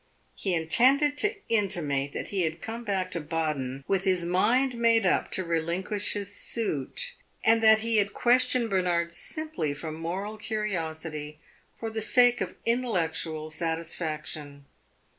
He intended to intimate that he had come back to Baden with his mind made up to relinquish his suit, and that he had questioned Bernard simply from moral curiosity for the sake of intellectual satisfaction.